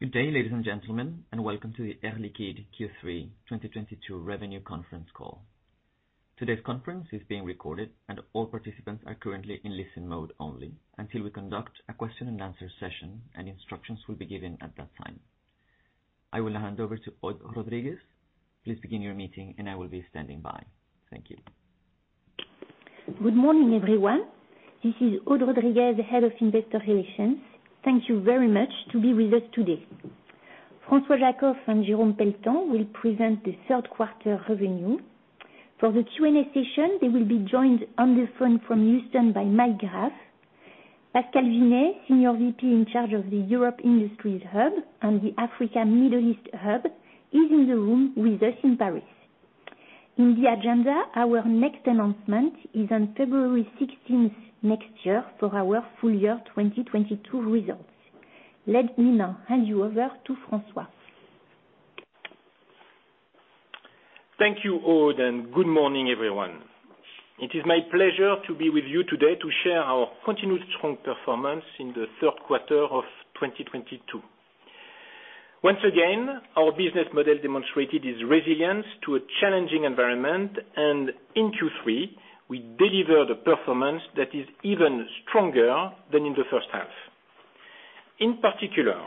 Good day, ladies and gentlemen, and welcome to the Air Liquide Q3 2022 revenue conference call. Today's conference is being recorded and all participants are currently in listen mode only until we conduct a question and answer session, and instructions will be given at that time. I will hand over to Aude Rodriguez. Please begin your meeting and I will be standing by. Thank you. Good morning, everyone. This is Aude Rodriguez, Head of Investor Relations. Thank you very much to be with us today. François Jackow and Jérôme Pelletan will present the third quarter revenue. For the Q&A session they will be joined on the phone from Houston by Mike Graff. Pascal Vinet, Senior VP in charge of the Europe Industries Hub and the Africa Middle East Hub is in the room with us in Paris. In the agenda, our next announcement is on February 16th next year for our full year 2022 results. Let me now hand you over to François. Thank you, Aude, and good morning, everyone. It is my pleasure to be with you today to share our continued strong performance in the third quarter of 2022. Once again, our business model demonstrated its resilience to a challenging environment, and in Q3 we delivered a performance that is even stronger than in the first half. In particular,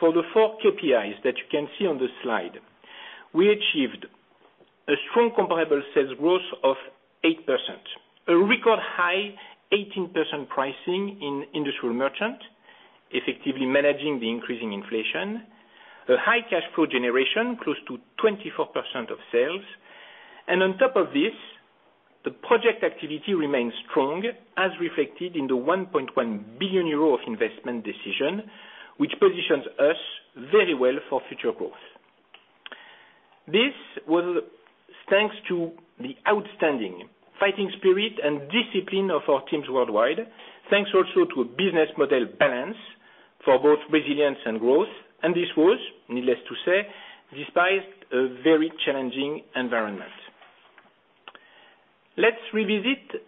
for the four KPIs that you can see on the slide, we achieved a strong comparable sales growth of 8%, a record high 18% pricing in industrial merchant, effectively managing the increasing inflation, a high cash flow generation close to 24% of sales. On top of this, the project activity remains strong, as reflected in the 1.1 billion euro of investment decision, which positions us very well for future growth. This was thanks to the outstanding fighting spirit and discipline of our teams worldwide. Thanks also to a business model balance for both resilience and growth. This was, needless to say, despite a very challenging environment. Let's revisit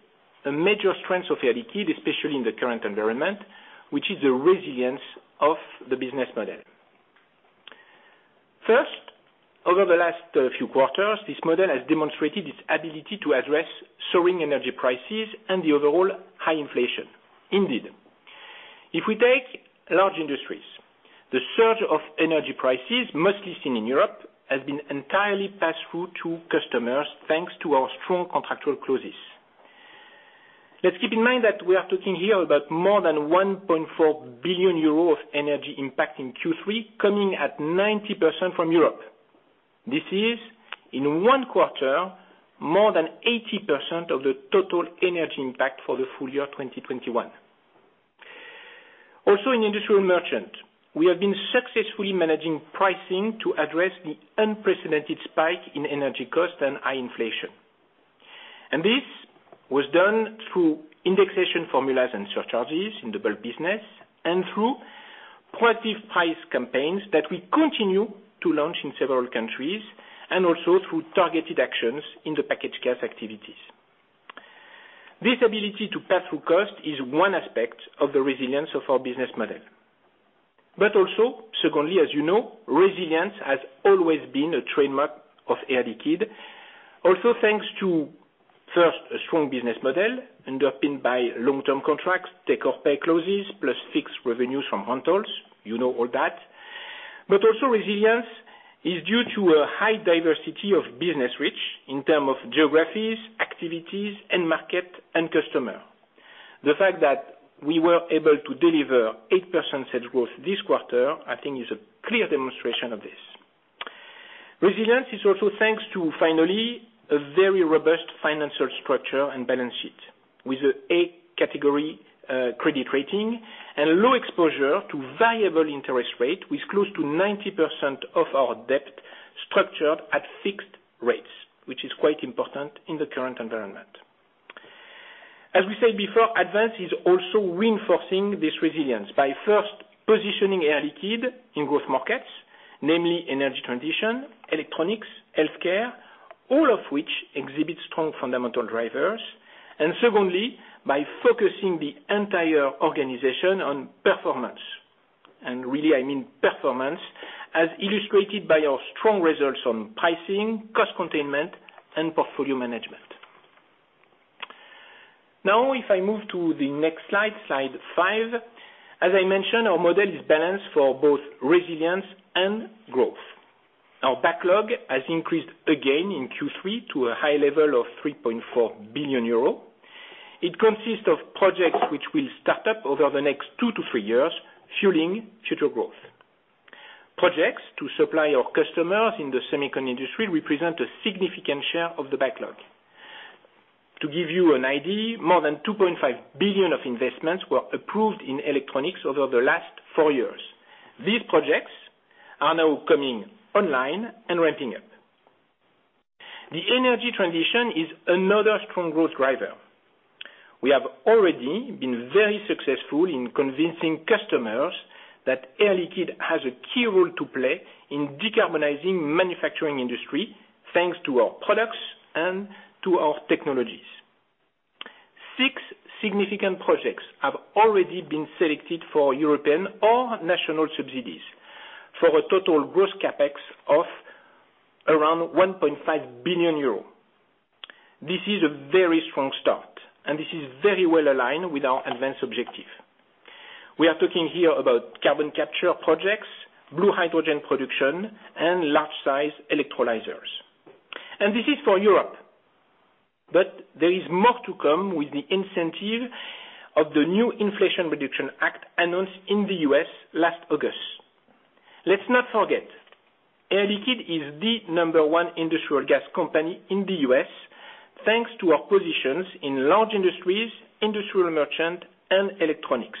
a major strength of Air Liquide, especially in the current environment, which is the resilience of the business model. First, over the last few quarters, this model has demonstrated its ability to address soaring energy prices and the overall high inflation. Indeed, if we take large industries, the surge of energy prices mostly seen in Europe, has been entirely passed through to customers, thanks to our strong contractual clauses. Let's keep in mind that we are talking here about more than 1.4 billion euros of energy impact in Q3, coming at 90% from Europe. This is in one quarter, more than 80% of the total energy impact for the full year 2021. In industrial merchant, we have been successfully managing pricing to address the unprecedented spike in energy cost and high inflation. This was done through indexation formulas and surcharges in the bulk business and through proactive price campaigns that we continue to launch in several countries and also through targeted actions in the packaged gas activities. This ability to pass through cost is one aspect of the resilience of our business model. Also, secondly, as you know, resilience has always been a trademark of Air Liquide. Thanks to, first, a strong business model underpinned by long-term contracts, take-or-pay clauses plus fixed revenues from rentals. You know all that. Also resilience is due to a high diversity of business reach in terms of geographies, activities and market and customer. The fact that we were able to deliver 8% sales growth this quarter, I think is a clear demonstration of this. Resilience is also thanks to, finally, a very robust financial structure and balance sheet with an A category credit rating and low exposure to variable interest rate, with close to 90% of our debt structured at fixed rates, which is quite important in the current environment. As we said before, ADVANCE is also reinforcing this resilience by first positioning Air Liquide in growth markets, namely energy transition, electronics, healthcare, all of which exhibit strong fundamental drivers. Secondly, by focusing the entire organization on performance, and really, I mean performance as illustrated by our strong results on pricing, cost containment and portfolio management. Now if I move to the next slide five. As I mentioned, our model is balanced for both resilience and growth. Our backlog has increased again in Q3 to a high level of 3.4 billion euro. It consists of projects which will start up over the next two-three years, fueling future growth. Projects to supply our customers in the semicon industry represent a significant share of the backlog. To give you an idea, more than 2.5 billion of investments were approved in electronics over the last four years. These projects are now coming online and ramping up. The energy transition is another strong growth driver. We have already been very successful in convincing customers that Air Liquide has a key role to play in decarbonizing manufacturing industry, thanks to our products and to our technologies. Six significant projects have already been selected for European or national subsidies for a total gross CapEx of around 1.5 billion euros. This is a very strong start, and this is very well aligned with our ADVANCE objective. We are talking here about carbon capture projects, blue hydrogen production, and large size electrolyzers. This is for Europe, but there is more to come with the incentive of the new Inflation Reduction Act announced in the U.S. last August. Let's not forget, Air Liquide is the number one industrial gas company in the U.S., thanks to our positions in large industries, industrial merchant, and electronics.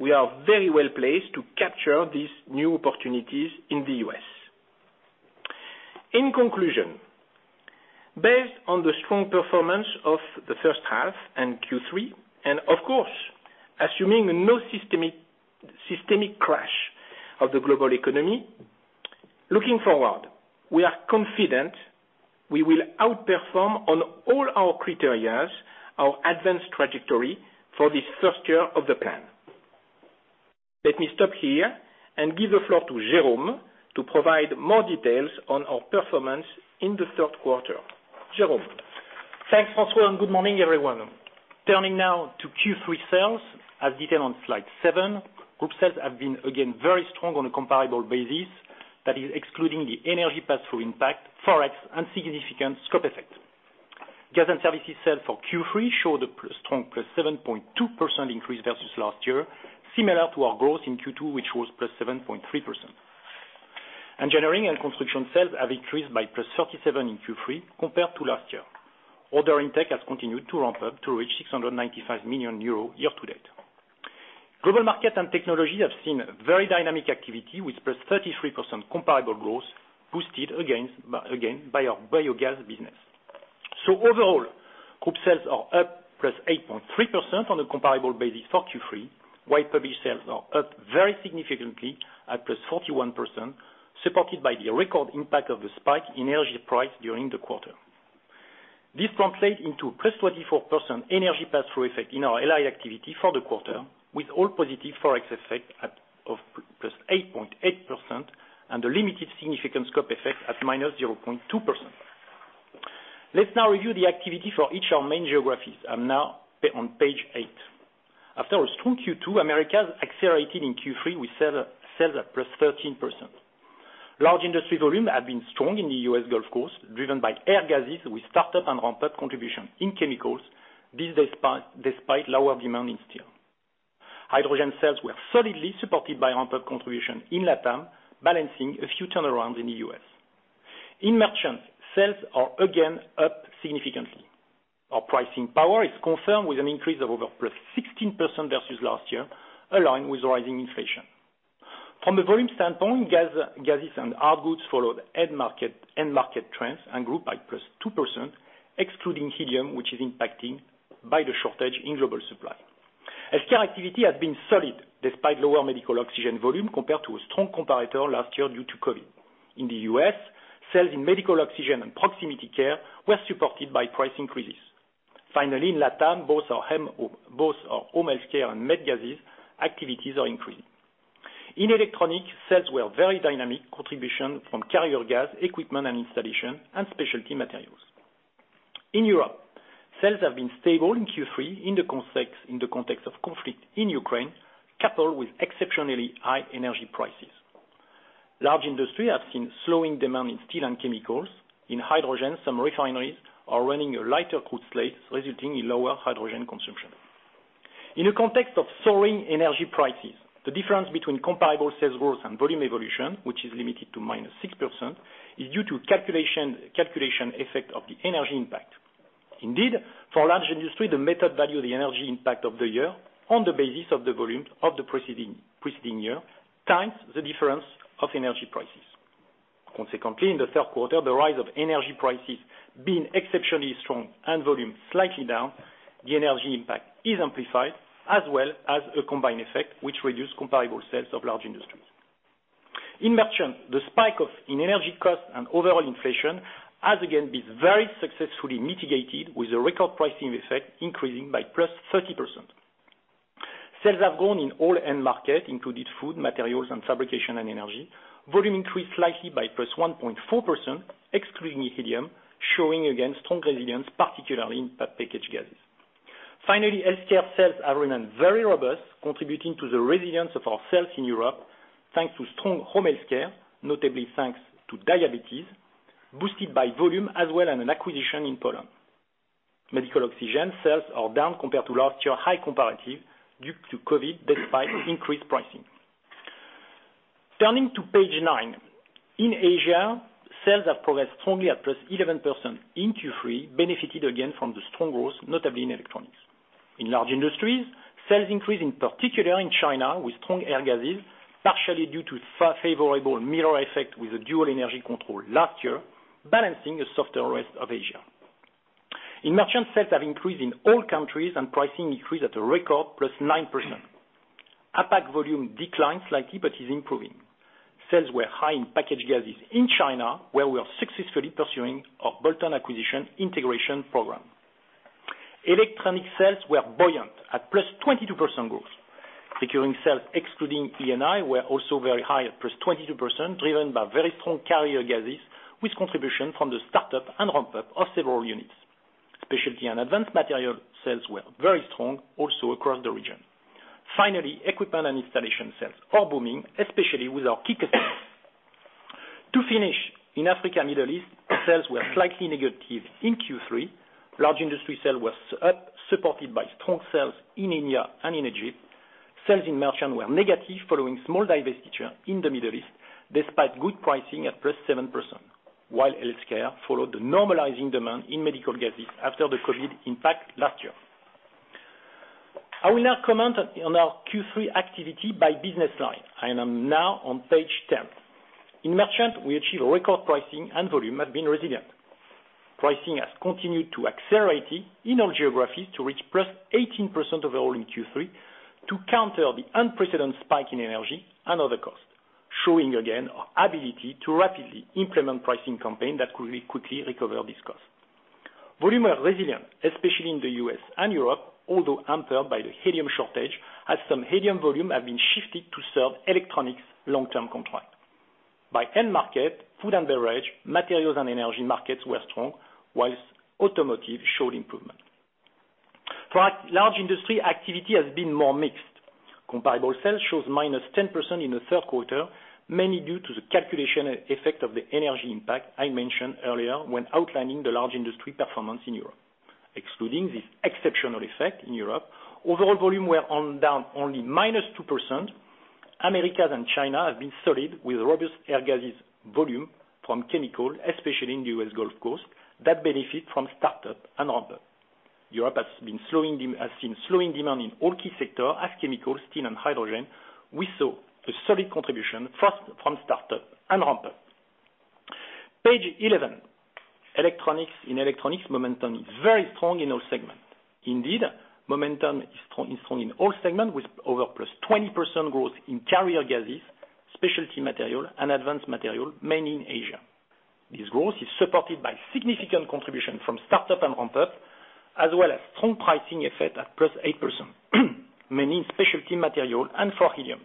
We are very well placed to capture these new opportunities in the U.S.. In conclusion, based on the strong performance of the first half and Q3, and of course, assuming no systemic crash of the global economy, looking forward, we are confident we will outperform on all our criteria, our ADVANCE trajectory for this first year of the plan. Let me stop here and give the floor to Jérôme to provide more details on our performance in the third quarter. Jérôme? Thanks, François, and good morning, everyone. Turning now to Q3 sales. As detailed on slide seven, group sales have been again very strong on a comparable basis, that is excluding the energy pass-through impact, Forex, and significant scope effect. Gas & Services sales for Q3 showed a strong +7.2% increase versus last year, similar to our growth in Q2, which was +7.3%. Engineering & Construction sales have increased by +37% in Q3 compared to last year. Order intake has continued to ramp up to reach 695 million euros year to date. Global Markets & Technology have seen very dynamic activity with +33% comparable growth boosted by, again, by our biogas business. Overall, group sales are up +8.3% on a comparable basis for Q3, while published sales are up very significantly at +41%, supported by the record impact of the spike in energy price during the quarter. This translates into a +24% energy pass-through effect in our LI activity for the quarter, with all positive Forex effect at +8.8% and a limited significant scope effect at -0.2%. Let's now review the activity for each of our main geographies. I'm now on page eight. After a strong Q2, Americas accelerated in Q3 with sales at +13%. Large industry volume had been strong in the U.S. Gulf Coast, driven by air gases with start-up and ramp-up contribution in chemicals, this despite lower demand in steel. Hydrogen sales were solidly supported by ramp-up contribution in Latam, balancing a few turnarounds in the U.S.. In merchant, sales are again up significantly. Our pricing power is confirmed with an increase of over +16% versus last year, aligned with rising inflation. From the volume standpoint, gases and our goods followed end market trends and grew by +2%, excluding helium, which is impacted by the shortage in global supply. Healthcare activity has been solid despite lower medical oxygen volume compared to a strong comparator last year due to COVID. In the U.S., sales in medical oxygen and proximity care were supported by price increases. Finally, in Latam, both our home healthcare and med gases activities are increasing. In electronic, sales were very dynamic, contribution from carrier gas, equipment and installation, and specialty materials. In Europe, sales have been stable in Q3 in the context of conflict in Ukraine, coupled with exceptionally high energy prices. Large industry has seen slowing demand in steel and chemicals. In hydrogen, some refineries are running a lighter crude slate, resulting in lower hydrogen consumption. In a context of soaring energy prices, the difference between comparable sales growth and volume evolution, which is limited to -6%, is due to calculation effect of the energy impact. Indeed, for large industry, the method value of the energy impact of the year on the basis of the volume of the preceding year, times the difference of energy prices. Consequently, in the third quarter, the rise of energy prices being exceptionally strong and volume slightly down, the energy impact is amplified, as well as a combined effect which reduce comparable sales of large industries. In merchant, the spike in energy costs and overall inflation has again been very successfully mitigated with a record pricing effect increasing by +30%. Sales have grown in all end markets, including food, materials and fabrication, and energy. Volume increased slightly by +1.4%, excluding helium, showing again strong resilience, particularly in packaged gases. Finally, healthcare sales have remained very robust, contributing to the resilience of our sales in Europe, thanks to strong home healthcare, notably thanks to diabetes, boosted by volume as well and an acquisition in Poland. Medical oxygen sales are down compared to last year's high comparatives due to COVID, despite increased pricing. Turning to page nine. In Asia, sales have progressed strongly at +11% in Q3, benefiting again from the strong growth, notably in electronics. In large industries, sales increased, in particular in China with strong air gases, partially due to favorable mirror effect with the dual energy control last year, balancing the softer rest of Asia. In merchant, sales have increased in all countries and pricing increased at a record +9%. APAC volume declined slightly, but is improving. Sales were high in packaged gases in China, where we are successfully pursuing our bolt-on acquisition integration program. Electronics sales were buoyant at +22% growth. Securing sales excluding E&I were also very high at +22%, driven by very strong carrier gases, with contribution from the start-up and ramp-up of several units. Specialty Materials and Advanced Materials sales were very strong also across the region. Finally, equipment and installation sales are booming, especially with our key customers. To finish, in Africa, Middle East, sales were slightly negative in Q3. Large industry sales was up, supported by strong sales in India and in Egypt. Sales in merchant were negative following small divestiture in the Middle East, despite good pricing at +7%, while healthcare followed the normalizing demand in medical gases after the COVID impact last year. I will now comment on our Q3 activity by business line, and I'm now on page 10. In merchant, we achieve record pricing and volume has been resilient. Pricing has continued to accelerate in all geographies to reach +18% overall in Q3 to counter the unprecedented spike in energy and other costs, showing again our ability to rapidly implement pricing campaigns that could quickly recover this cost. Volumes are resilient, especially in the U.S. and Europe, although hampered by the helium shortage as some helium volumes have been shifted to serve electronics long-term contracts. By end market, food and beverage, materials and energy markets were strong, while automotive showed improvement. For our large industry, activity has been more mixed. Comparable sales shows -10% in the third quarter, mainly due to the calculation effect of the energy impact I mentioned earlier when outlining the large industry performance in Europe. Excluding this exceptional effect in Europe, overall volume were down only -2%. Americas and China have been solid with robust air gases volume from chemicals, especially in the U.S. Gulf Coast, that benefit from start-up and ramp-up. Europe has seen slowing demand in all key sectors as chemicals, steel, and hydrogen. We saw a solid contribution from start-up and ramp-up. Page 11. Electronics. In electronics, momentum is very strong in all segments. Indeed, momentum is strong in all segments with over +20% growth in Carrier Gases, Specialty Materials and Advanced Materials, mainly in Asia. This growth is supported by significant contribution from start-up and ramp-up, as well as strong pricing effect at +8%, mainly in Specialty Materials and for Helium.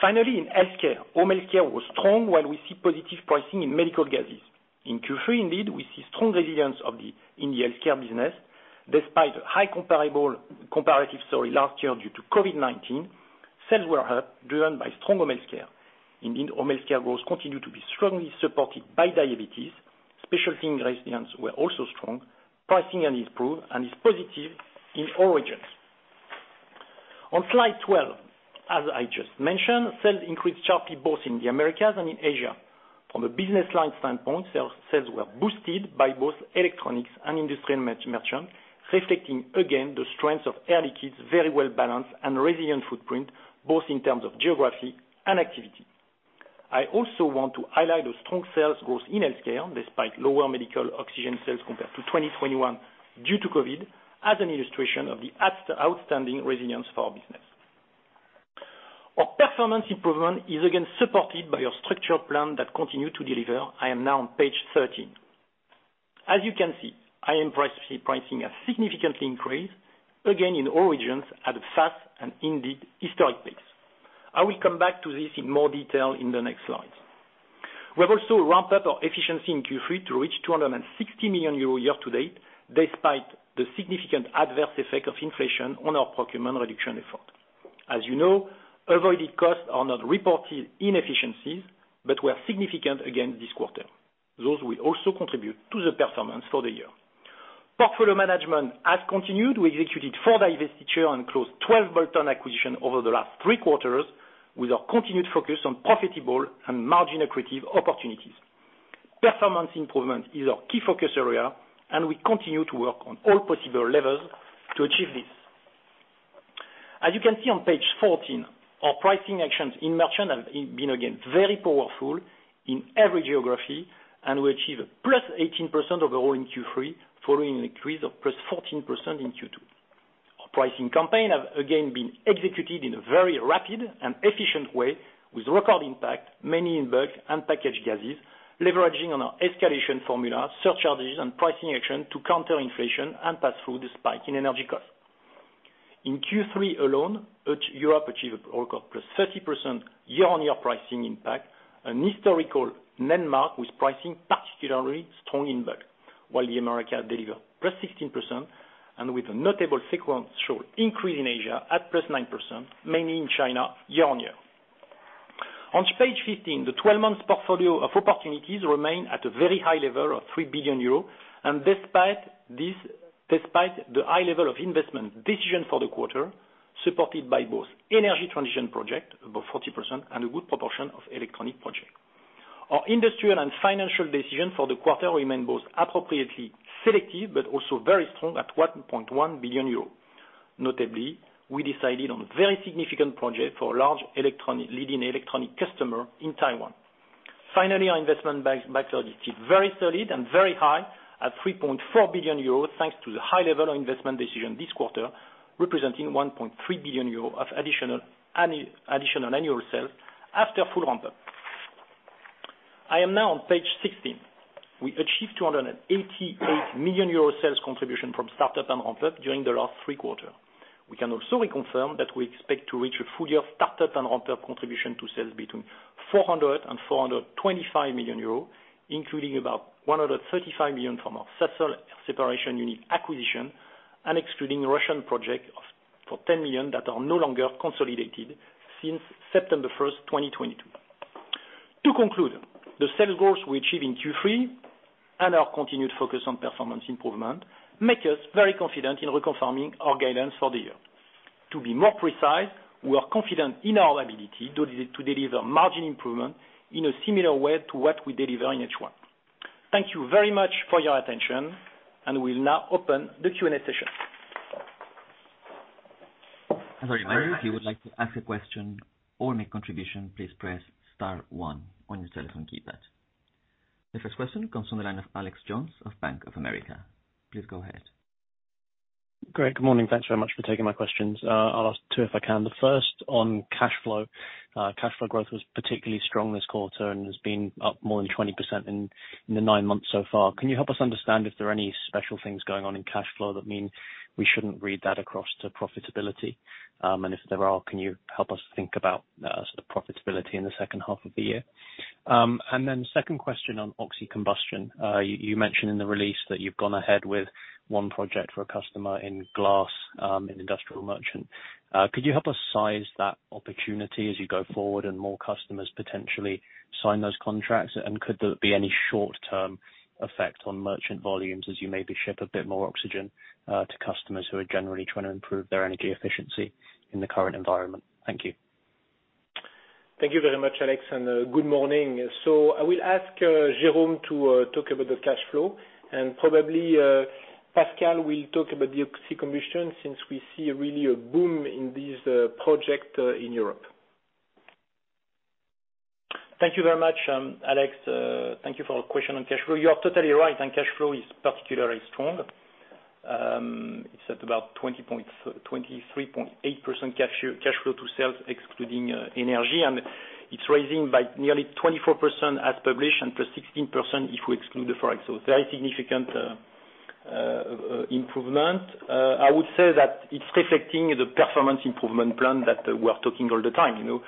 Finally, in healthcare, home healthcare was strong while we see positive pricing in medical gases. In Q3, indeed, we see strong resilience in the healthcare business. Despite high comparatives last year due to COVID-19, sales were up, driven by strong home healthcare. Indeed, home healthcare growth continue to be strongly supported by diabetes. Specialty Ingredients were also strong. Pricing has improved and is positive in all regions. On slide 12, as I just mentioned, sales increased sharply both in the Americas and in Asia. From a business line standpoint, sales were boosted by both electronics and industrial merchant, reflecting again the strength of Air Liquide's very well-balanced and resilient footprint, both in terms of geography and activity. I also want to highlight the strong sales growth in healthcare, despite lower medical oxygen sales compared to 2021 due to COVID, as an illustration of the outstanding resilience for our business. Our performance improvement is again supported by our structural plan that continue to deliver. I am now on page 13. As you can see, IM pricing has significantly increased again in all regions at a fast and indeed historic pace. I will come back to this in more detail in the next slides. We have also ramped up our efficiency in Q3 to reach 260 million euros year to date, despite the significant adverse effect of inflation on our procurement reduction effort. As you know, avoided costs are not reported inefficiencies, but were significant again this quarter. Those will also contribute to the performance for the year. Portfolio management has continued. We executed four divestitures and closed 12 bolt-on acquisitions over the last three quarters, with our continued focus on profitable and margin-accretive opportunities. Performance improvement is our key focus area, and we continue to work on all possible levels to achieve this. As you can see on page 14, our pricing actions in merchant have been again, very powerful in every geography and we achieve a +18% overall in Q3, following an increase of +14% in Q2. Our pricing campaign have again been executed in a very rapid and efficient way with record impact, mainly in bulk and packaged gases, leveraging on our escalation formula, surcharges and pricing action to counter inflation and pass through the spike in energy costs. In Q3 alone, Europe achieved a record +30% year-on-year pricing impact, an historical landmark with pricing particularly strong in bulk, while the Americas deliver +16% and with a notable sequential increase in Asia at +9%, mainly in China year-on-year. On page 15, the 12 months portfolio of opportunities remain at a very high level of 3 billion euros and despite this, despite the high level of investment decision for the quarter, supported by both energy transition project, above 40%, and a good proportion of electronic project. Our industrial and financial decisions for the quarter remain both appropriately selective but also very strong at 1.1 billion euros. Notably, we decided on very significant projects for a large electronics, leading electronics customer in Taiwan. Finally, our investment backlog is very solid and very high at 3.4 billion euros, thanks to the high level of investment decisions this quarter, representing 1.3 billion euros of additional annual sales after full ramp-up. I am now on page 16. We achieved 288 million euro sales contribution from start-up and ramp-up during the last three quarters. We can also reconfirm that we expect to reach a full year start-up and ramp-up contribution to sales between 400 million euros and 425 million euros, including about 135 million from our air separation unit acquisition and excluding Russian project for 10 million that are no longer consolidated since September 1st, 2022. To conclude, the sales goals we achieved in Q3 and our continued focus on performance improvement make us very confident in reconfirming our guidance for the year. To be more precise, we are confident in our ability to deliver margin improvement in a similar way to what we deliver in H1. Thank you very much for your attention, and we'll now open the Q&A session. Thank you very much. If you would like to ask a question or make contribution, please press star one on your telephone keypad. The first question comes from the line of Alex Jones of Bank of America. Please go ahead. Great. Good morning. Thanks very much for taking my questions. I'll ask two if I can. The first on cash flow. Cash flow growth was particularly strong this quarter and has been up more than 20% in the nine months so far. Can you help us understand if there are any special things going on in cash flow that mean we shouldn't read that across to profitability? If there are, can you help us think about the profitability in the second half of the year? Second question on oxy-combustion. You mentioned in the release that you've gone ahead with one project for a customer in glass, in industrial merchant. Could you help us size that opportunity as you go forward and more customers potentially sign those contracts? Could there be any short-term effect on merchant volumes as you maybe ship a bit more oxygen to customers who are generally trying to improve their energy efficiency in the current environment? Thank you. Thank you very much, Alex, and good morning. I will ask Jérôme to talk about the cash flow, and probably Pascal will talk about the oxy-combustion since we see really a boom in this project in Europe. Thank you very much, Alex. Thank you for your question on cash flow. You are totally right, and cash flow is particularly strong. It's at about 23.8% cash flow, cash flow to sales excluding energy, and it's rising by nearly 24% as published and plus 16% if we exclude the Forex. So very significant improvement. I would say that it's reflecting the performance improvement plan that we are talking all the time, you know.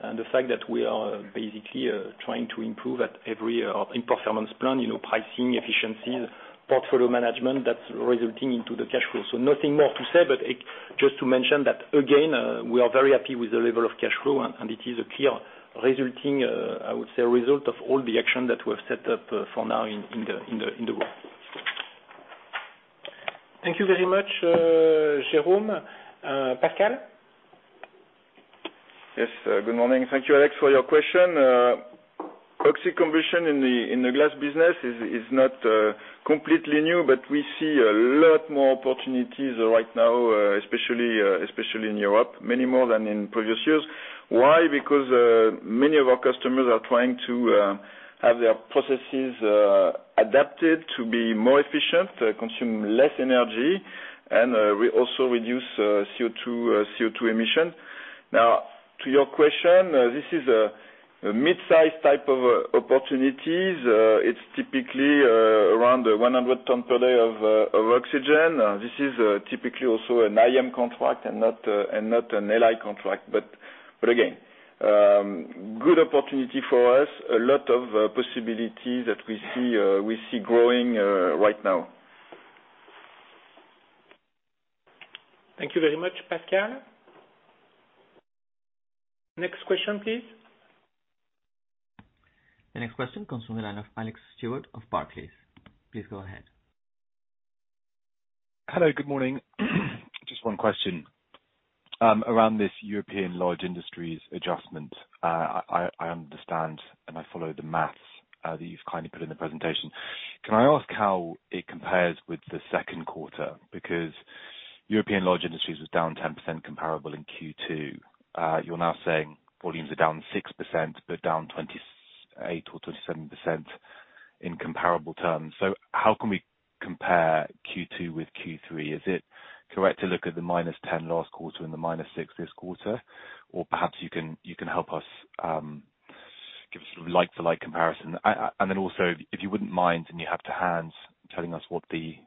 The fact that we are basically trying to improve at every, in performance plan, you know, pricing, efficiency, portfolio management, that's resulting into the cash flow. Nothing more to say, but it just to mention that again, we are very happy with the level of cash flow and it is a clear resulting, I would say, a result of all the action that we have set up for now in the world. Thank you very much, Jérôme. Pascal? Yes, good morning. Thank you, Alex, for your question. Oxy-combustion in the glass business is not completely new, but we see a lot more opportunities right now, especially in Europe, many more than in previous years. Why? Because many of our customers are trying to have their processes adapted to be more efficient, consume less energy, and we also reduceCO₂ emission. Now, to your question, this is a mid-size type of opportunities. It's typically around 100 tons per day of oxygen. This is typically also an IM contract and not an LI contract. Again, good opportunity for us. A lot of possibilities that we see growing right now. Thank you very much, Pascal. Next question, please. The next question comes from the line of Alex Stewart of Barclays. Please go ahead. Hello, good morning. Just one question. Around this European large industries adjustment, I understand and I follow the math that you've kindly put in the presentation. Can I ask how it compares with the second quarter? Because European large industries was down 10% comparable in Q2. You're now saying volumes are down 6%, but down 28% or 27% in comparable terms. How can we compare Q2 with Q3? Is it correct to look at the -10% last quarter and the -6% this quarter? Or perhaps you can help us give us a like-for-like comparison. And then also, if you wouldn't mind, and you have to hand, telling us what the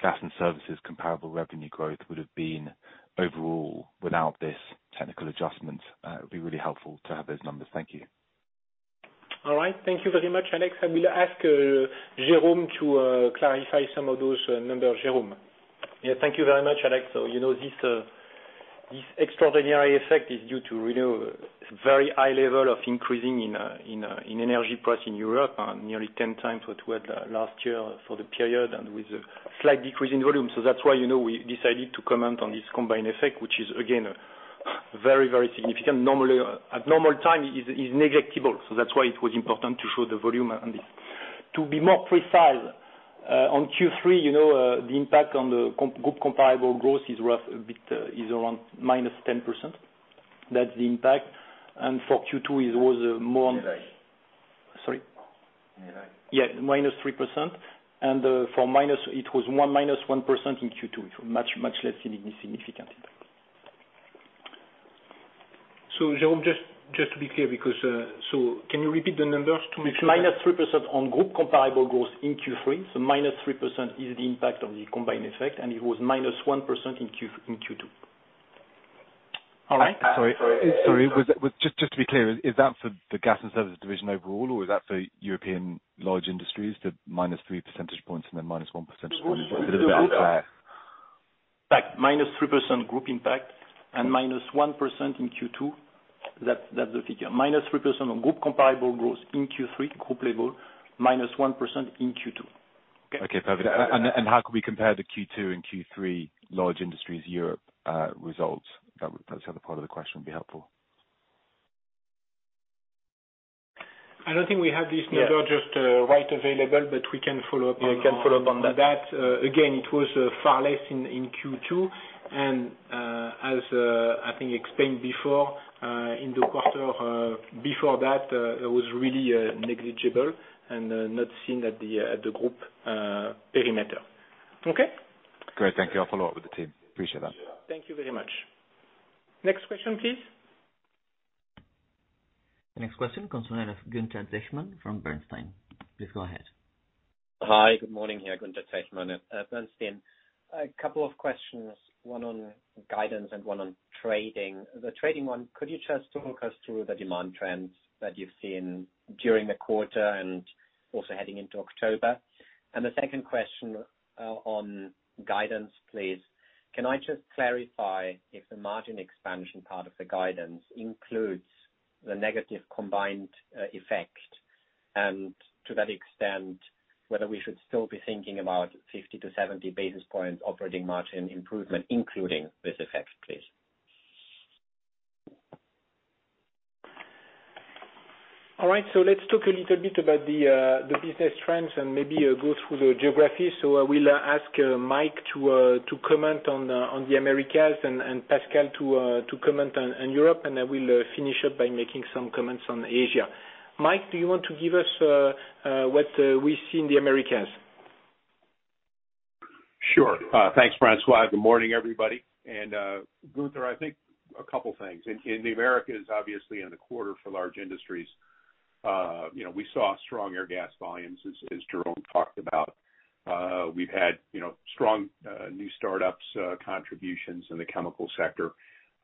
gas and services comparable revenue growth would have been overall without this technical adjustment. It'd be really helpful to have those numbers. Thank you. All right. Thank you very much, Alex. I will ask Jérôme to clarify some of those numbers. Jérôme? Yeah. Thank you very much, Alex. This extraordinary effect is due to really very high level of increase in energy price in Europe, nearly 10 times what we had last year for the period and with a slight decrease in volume. That's why we decided to comment on this combined effect, which is again, very, very significant. Normally, at normal times it is negligible, so that's why it was important to show the volume and the... To be more precise, on Q3, you know, the impact on the group comparable growth is roughly a bit around -10%. That's the impact. For Q2 it was more. Negative. Sorry? Negative. Yeah, -3%. -1% in Q2. It was much, much less significant impact. Jérôme, just to be clear, can you repeat the numbers to make sure? It's -3% on group comparable growth in Q3. -3% is the impact of the combined effect, and it was -1% in Q2. All right. Sorry. Just to be clear, is that for the gas and services division overall, or is that for European large industries, the -3 percentage points and then -1 percentage points? Is it about right? In fact, -3% group impact and -1% in Q2. That's the figure. -3% on group comparable growth in Q3, group level, -1% in Q2. Okay, perfect. How can we compare the Q2 and Q3 Large Industries Europe results? That's the other part of the question would be helpful. I don't think we have this number just right away available, but we can follow up on. Yeah, you can follow up on that. On that. Again, it was far less in Q2. As I think explained before, in the quarter before that, it was really negligible and not seen at the group perimeter. Okay? Great. Thank you. I'll follow up with the team. Appreciate that. Thank you very much. Next question, please. The next question comes from Gunther Zechmann from Bernstein. Please go ahead. Hi, good morning. Yeah, Gunther Zechmann at Bernstein. A couple of questions, one on guidance and one on trading. The trading one, could you just talk us through the demand trends that you've seen during the quarter and also heading into October? The second question, on guidance, please. Can I just clarify if the margin expansion part of the guidance includes the negative combined effect, and to that extent, whether we should still be thinking about 50-70 basis points operating margin improvement, including this effect, please? All right, let's talk a little bit about the business trends and maybe go through the geography. I will ask Mike to comment on the Americas and Pascal to comment on Europe, and I will finish up by making some comments on Asia. Mike, do you want to give us what we see in the Americas? Sure. Thanks, François. Good morning, everybody. Gunther, I think a couple things. In the Americas, obviously in the quarter for large industries, we saw strong air gas volumes as Jérôme talked about. We've had strong new startups contributions in the chemical sector.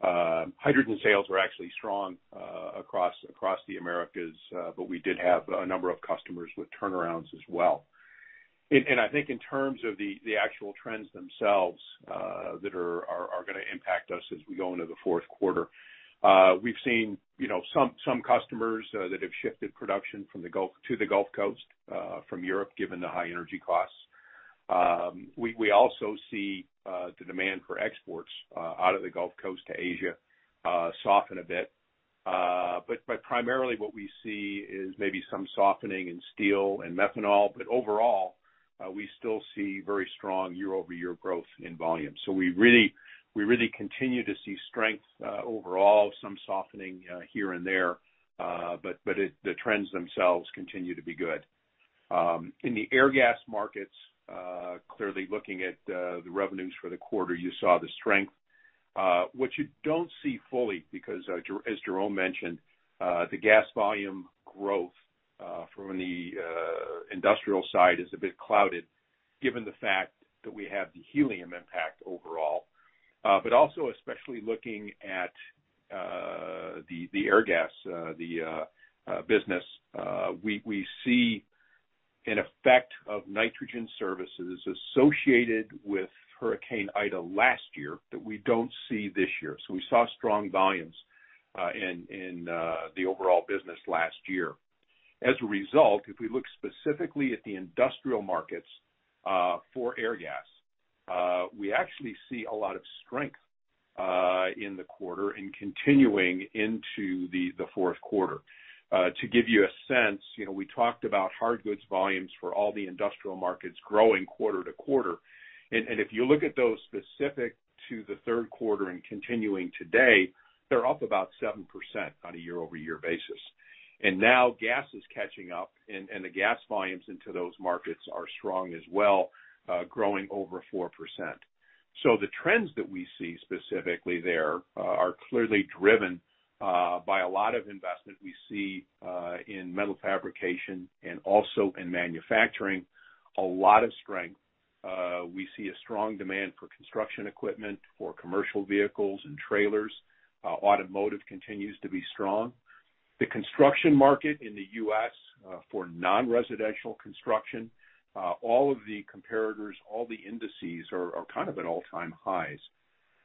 Hydrogen sales were actually strong across the Americas, but we did have a number of customers with turnarounds as well. I think in terms of the actual trends themselves that are gonna impact us as we go into the fourth quarter, we've seen some customers that have shifted production to the Gulf Coast from Europe, given the high energy costs. We also see the demand for exports out of the Gulf Coast to Asia soften a bit. Primarily what we see is maybe some softening in steel and methanol, but overall we still see very strong year-over-year growth in volume. We really continue to see strength overall, some softening here and there, but the trends themselves continue to be good. In the Airgas markets, clearly looking at the revenues for the quarter, you saw the strength. What you don't see fully, because as Jérôme mentioned, the gas volume growth from the industrial side is a bit clouded given the fact that we have the helium impact overall. Also especially looking at the Airgas business we see an effect of nitrogen services associated with Hurricane Ida last year that we don't see this year. We saw strong volumes in the overall business last year. As a result, if we look specifically at the industrial markets for Airgas we actually see a lot of strength in the quarter and continuing into the fourth quarter. To give you a sense, you know, we talked about hard goods volumes for all the industrial markets growing quarter-over-quarter. If you look at those specific to the third quarter and continuing today, they're up about 7% on a year-over-year basis. Now gas is catching up and the gas volumes into those markets are strong as well, growing over 4%. The trends that we see specifically there are clearly driven by a lot of investment we see in metal fabrication and also in manufacturing, a lot of strength. We see a strong demand for construction equipment, for commercial vehicles and trailers. Automotive continues to be strong. The construction market in the U.S., for non-residential construction, all of the comparators, all the indices are kind of at all-time highs.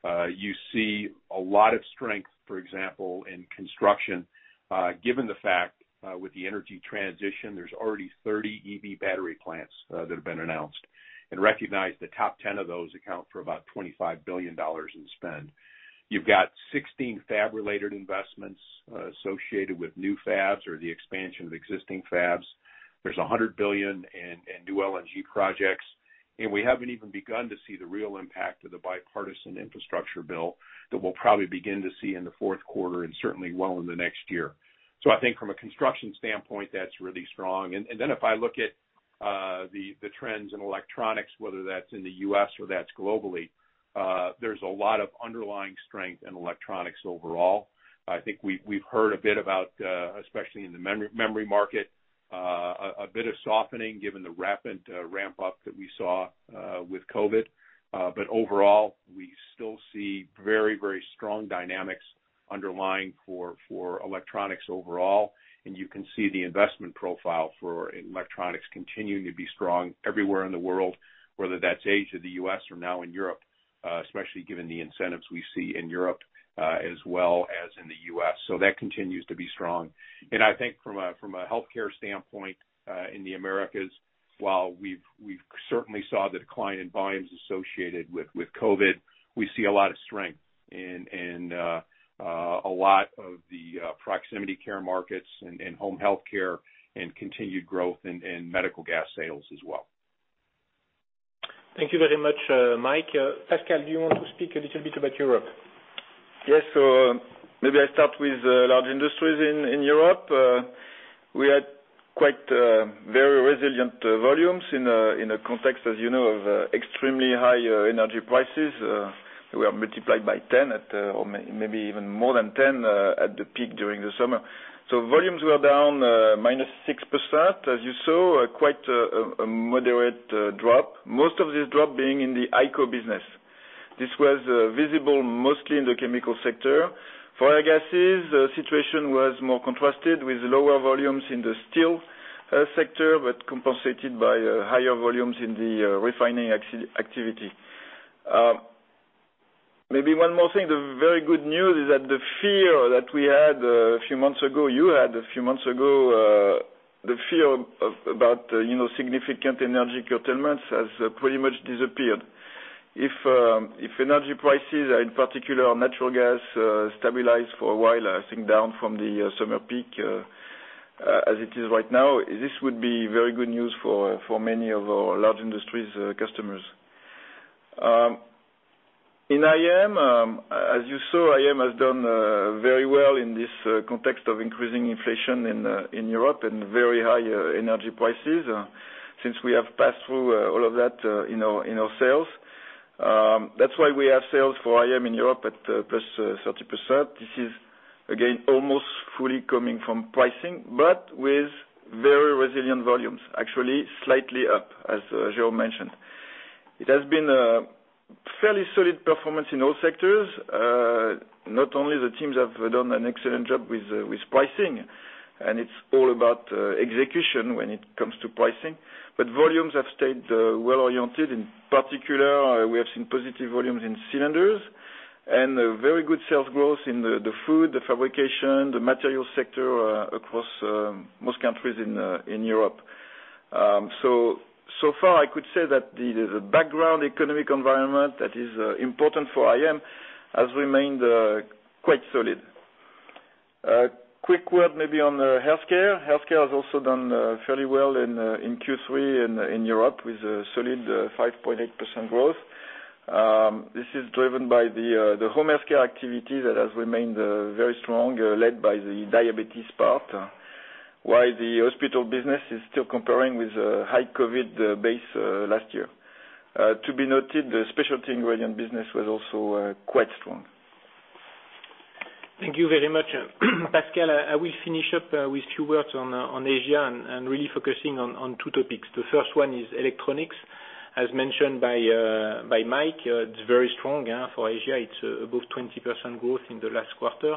You see a lot of strength, for example, in construction, given the fact with the energy transition, there's already 30 EV battery plants that have been announced. Recognize the top ten of those account for about $25 billion in spend. You've got 16 fab-related investments associated with new fabs or the expansion of existing fabs. There's $100 billion in new LNG projects, and we haven't even begun to see the real impact of the bipartisan infrastructure bill that we'll probably begin to see in the fourth quarter and certainly well into next year. I think from a construction standpoint, that's really strong. Then if I look at the trends in electronics, whether that's in the U.S. or that's globally, there's a lot of underlying strength in electronics overall. I think we've heard a bit about especially in the memory market a bit of softening given the rapid ramp up that we saw with COVID. But overall, we still see very, very strong dynamics underlying for electronics overall. You can see the investment profile for electronics continuing to be strong everywhere in the world, whether that's Asia, the U.S., or now in Europe, especially given the incentives we see in Europe, as well as in the U.S. That continues to be strong. I think from a healthcare standpoint, in the Americas, while we've certainly saw the decline in volumes associated with COVID, we see a lot of strength in a lot of the proximity care markets and home healthcare and continued growth in medical gas sales as well. Thank you very much, Mike. Pascal, do you want to speak a little bit about Europe? Yes. Maybe I start with large industries in Europe. We had quite very resilient volumes in a context, as you know, of extremely high energy prices. We are multiplied by 10, or maybe even more than 10, at the peak during the summer. Volumes were down 6%, as you saw, quite a moderate drop. Most of this drop being in the HyCO business. This was visible mostly in the chemical sector. For our gases, the situation was more contrasted with lower volumes in the steel sector, but compensated by higher volumes in the refining activity. Maybe one more thing, the very good news is that the fear that we had a few months ago about, you know, significant energy curtailments has pretty much disappeared. If energy prices, in particular natural gas, stabilize for a while, I think down from the summer peak, as it is right now, this would be very good news for many of our large industries customers. In IM, as you saw, IM has done very well in this context of increasing inflation in Europe and very high energy prices, since we have passed through all of that in our sales. That's why we have sales for IM in Europe at +30%. This is again, almost fully coming from pricing, but with very resilient volumes, actually slightly up, as Jérôme mentioned. It has been a fairly solid performance in all sectors. Not only the teams have done an excellent job with pricing, and it's all about execution when it comes to pricing, but volumes have stayed well-oriented. In particular, we have seen positive volumes in cylinders and a very good sales growth in the food, the fabrication, the material sector across most countries in Europe. So far I could say that the background economic environment that is important for IM has remained quite solid. A quick word maybe on healthcare. Healthcare has also done fairly well in Q3 in Europe with a solid 5.8% growth. This is driven by the home healthcare activity that has remained very strong, led by the diabetes part, while the hospital business is still comparing with a high COVID base last year. To be noted, the specialty ingredient business was also quite strong. Thank you very much, Pascal. I will finish up with a few words on Asia and really focusing on two topics. The first one is electronics. As mentioned by Mike, it's very strong for Asia. It's above 20% growth in the last quarter.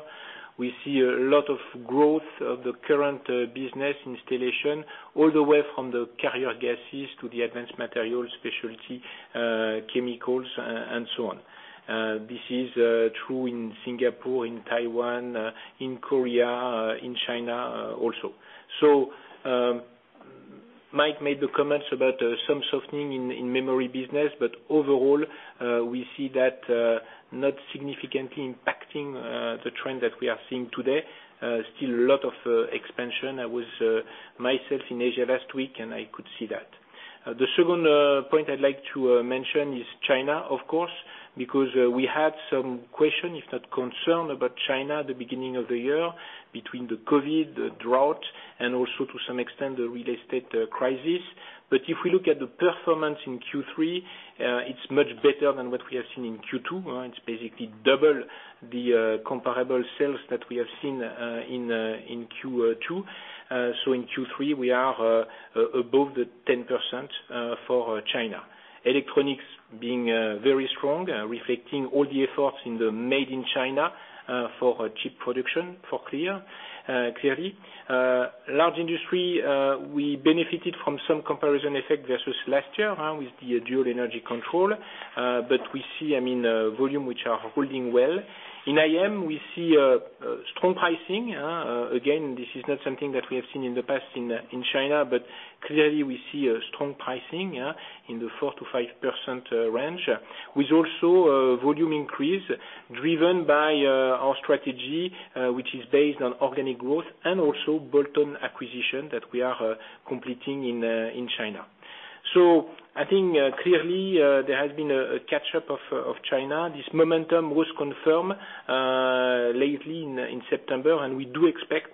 We see a lot of growth of the current business installation all the way from the carrier gases to the advanced materials, specialty chemicals, and so on. This is true in Singapore, in Taiwan, in Korea, in China also. Mike made the comments about some softening in memory business. Overall, we see that not significantly impacting the trend that we are seeing today. Still a lot of expansion. I was myself in Asia last week, and I could see that. The second point I'd like to mention is China, of course, because we had some question, if not concern about China at the beginning of the year between the COVID, the drought, and also to some extent, the real estate crisis. If we look at the performance in Q3, it's much better than what we have seen in Q2. It's basically double the comparable sales that we have seen in Q2. In Q3, we are above the 10% for China. Electronics being very strong, reflecting all the efforts in the Made in China for chip production, clearly. Large Industries, we benefited from some comparison effect versus last year with the dual control. We see, I mean, volume which are holding well. In IM, we see strong pricing, again, this is not something that we have seen in the past in China, but clearly we see a strong pricing, yeah, in the 4%-5% range, with also a volume increase driven by our strategy, which is based on organic growth and also bolt-on acquisition that we are completing in China. I think clearly there has been a catch-up of China. This momentum was confirmed lately in September, and we do expect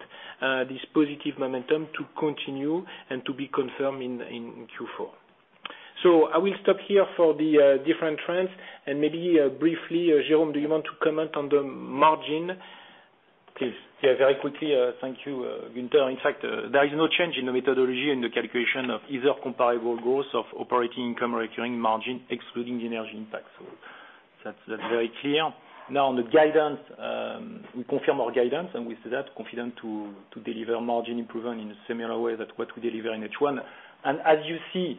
this positive momentum to continue and to be confirmed in Q4. I will stop here for the different trends and maybe briefly, Jérôme, do you want to comment on the margin, please? Yeah, very quickly. Thank you, Gunther. In fact, there is no change in the methodology, in the calculation of either comparable growth of operating income recurring margin excluding the energy impact. That's very clear. Now, on the guidance, we confirm our guidance, and we say that confident to deliver margin improvement in a similar way that what we deliver in H1. As you see,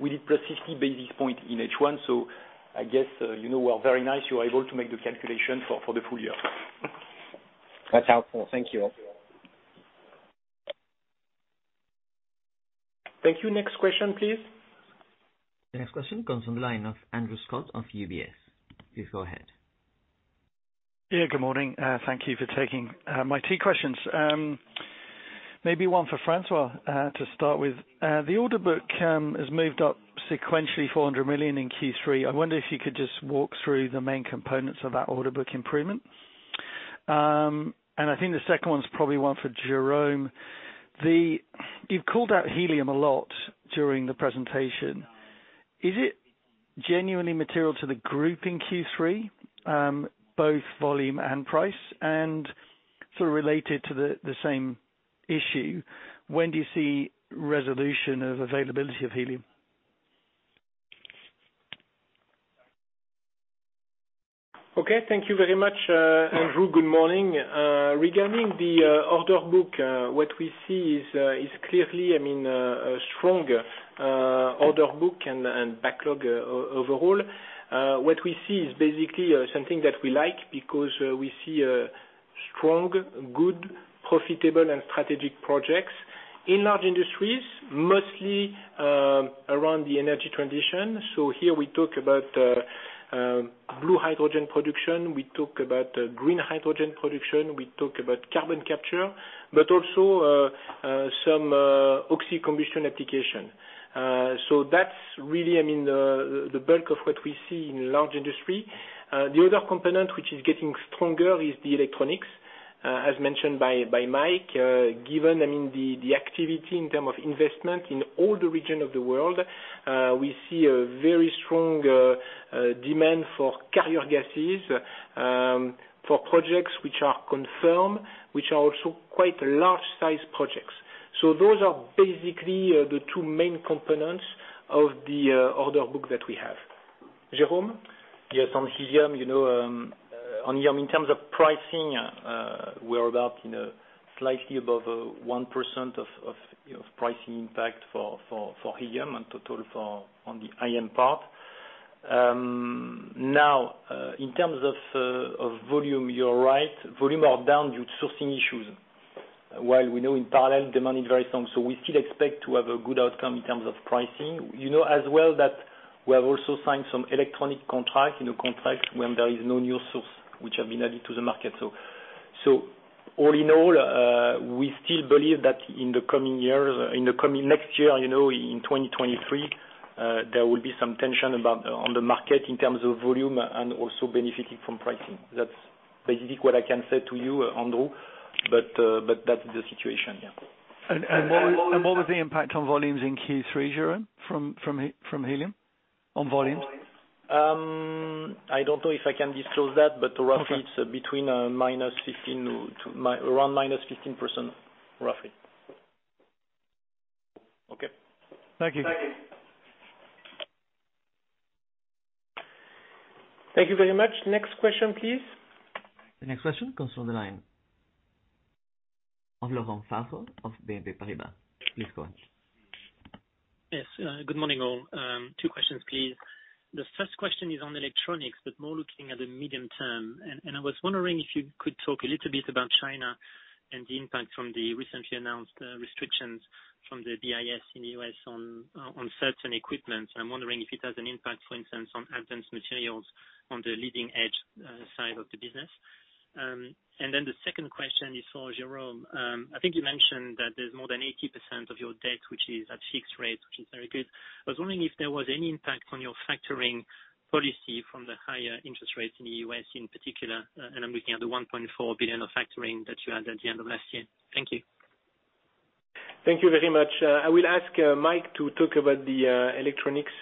we did plus 50 basis point in H1, so I guess, you know, we're very confident you are able to make the calculation for the full year. That's helpful. Thank you. Thank you. Next question, please. The next question comes from the line of Andrew Stott of UBS. Please go ahead. Yeah, good morning. Thank you for taking my two questions. Maybe one for François to start with. The order book has moved up sequentially 400 million in Q3. I wonder if you could just walk through the main components of that order book improvement. I think the second one is probably one for Jérôme. You've called out helium a lot during the presentation. Is it genuinely material to the group in Q3, both volume and price? Sort of related to the same issue, when do you see resolution of availability of helium? Okay. Thank you very much, Andrew. Good morning. Regarding the order book, what we see is clearly, I mean, a strong order book and backlog overall. What we see is basically something that we like because we see a strong, good, profitable, and strategic projects in Large Industries, mostly around the energy transition. Here we talk about blue hydrogen production, we talk about green hydrogen production, we talk about carbon capture, but also some oxy-combustion application. That's really, I mean, the bulk of what we see in Large Industries. The other component which is getting stronger is electronics as mentioned by Mike. Given, I mean, the activity in terms of investment in all the regions of the world, we see a very strong demand for carrier gases, for projects which are confirmed, which are also quite large size projects. Those are basically the two main components of the order book that we have. Jérôme? Yes. On helium, you know, on helium in terms of pricing, we're about, you know, slightly above 1% of pricing impact for helium and total for on the IM part. Now, in terms of volume, you're right. Volume are down due to sourcing issues, while you know in parallel, demand is very strong. We still expect to have a good outcome in terms of pricing. You know as well that we have also signed some electronics contracts, you know, when there is no new source which have been added to the market. All in all, we still believe that next year, you know, in 2023, there will be some tension on the market in terms of volume and also benefiting from pricing. That's basically what I can say to you, Andrew. That's the situation, yeah. What was the impact on volumes in Q3, Jérôme, from helium on volumes? I don't know if I can disclose that. Okay. Roughly it's between -15 to around -15%, roughly. Okay. Thank you. Thank you. Thank you very much. Next question, please. The next question comes from the line of Laurent Favre of BNP Paribas. Please go ahead. Yes. Good morning, all. Two questions, please. The first question is on electronics, but more looking at the medium term. I was wondering if you could talk a little bit about China and the impact from the recently announced restrictions from the BIS in the U.S. on certain equipment. I'm wondering if it has an impact, for instance, on Advanced Materials on the leading edge side of the business. The second question is for Jérôme. I think you mentioned that there's more than 80% of your debt, which is at fixed rates, which is very good. I was wondering if there was any impact on your factoring policy from the higher interest rates in the U.S. in particular. I'm looking at the 1.4 billion of factoring that you had at the end of last year. Thank you. Thank you very much. I will ask Mike to talk about the electronics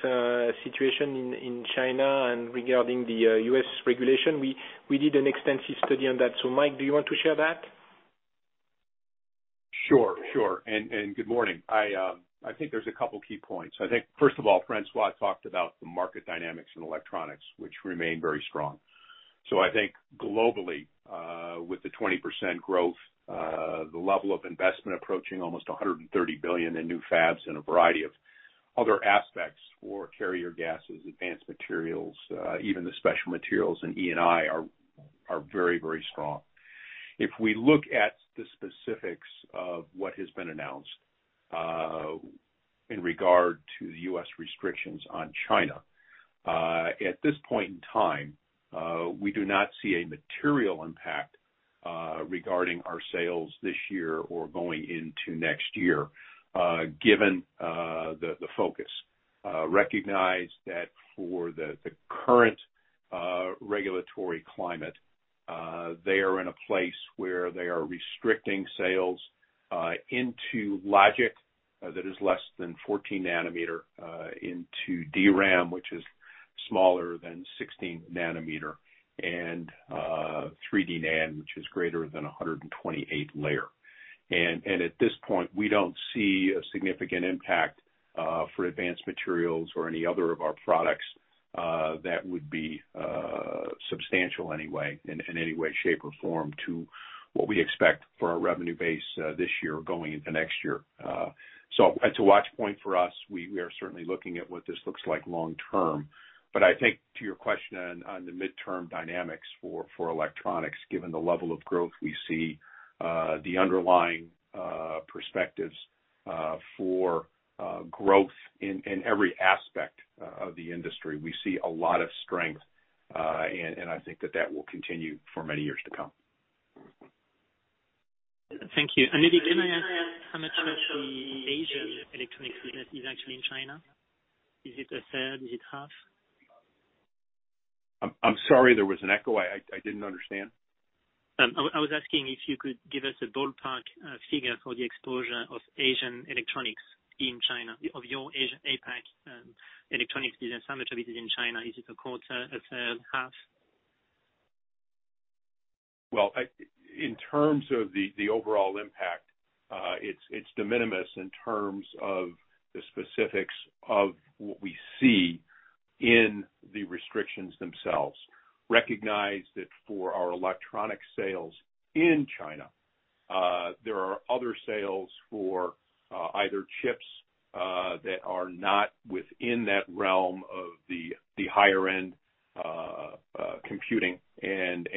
situation in China and regarding the U.S. regulation. We did an extensive study on that. Mike, do you want to share that? Sure, sure. Good morning. I think there's a couple key points. I think first of all, François talked about the market dynamics in electronics, which remain very strong. I think globally, with the 20% growth, the level of investment approaching almost 130 billion in new fabs and a variety of other aspects for Carrier Gases, Advanced Materials, even the Specialty Materials in E&I are very strong. If we look at the specifics of what has been announced in regard to the U.S. restrictions on China, at this point in time, we do not see a material impact regarding our sales this year or going into next year, given the focus. Recognize that for the current regulatory climate, they are in a place where they are restricting sales into logic that is less than 14 nanometer, into DRAM, which is smaller than 16 nanometer, and 3D NAND, which is greater than 128 layer. At this point, we don't see a significant impact for Advanced Materials or any other of our products that would be substantial anyway, in any way, shape, or form to what we expect for our revenue base this year going into next year. It's a watch point for us. We are certainly looking at what this looks like long term. I think to your question on the midterm dynamics for electronics, given the level of growth we see, the underlying perspectives for growth in every aspect of the industry, we see a lot of strength. I think that will continue for many years to come. Thank you. Maybe can I ask how much of the Asian electronics business is actually in China? Is it 1/3? Is it 1/2? I'm sorry, there was an echo. I didn't understand. I was asking if you could give us a ballpark figure for the exposure of Asian electronics in China, of your Asian APAC electronics business, how much of it is in China. Is it a quarter, 1/3, 1/2? Well, in terms of the overall impact, it's de minimis in terms of the specifics of what we see in the restrictions themselves. Recognize that for our electronic sales in China, there are other sales for either chips that are not within that realm of the higher end computing and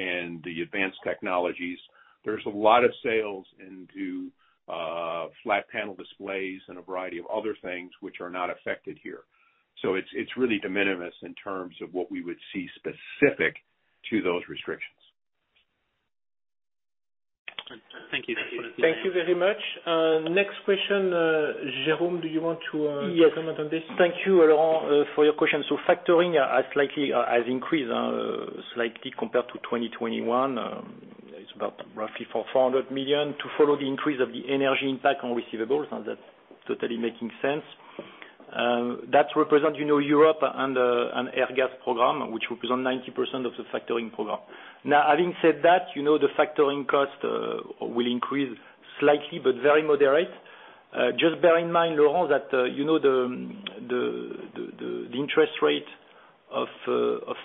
the advanced technologies. There's a lot of sales into flat panel displays and a variety of other things which are not affected here. It's really de minimis in terms of what we would see specific to those restrictions. Thank you. Thank you very much. Next question, Jérôme, do you want to comment on this? Yes. Thank you, Laurent, for your question. Factoring has increased slightly compared to 2021. It's about roughly 400 million. To follow the increase of the energy impact on receivables, now that's totally making sense. That represents, you know, Europe under an Airgas program, which represents 90% of the factoring program. Now, having said that, you know, the factoring cost will increase slightly, but very moderate. Just bear in mind, Laurent, that, you know, the interest rate of